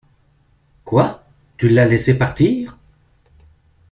Quoi? Tu l'as laissé partir ?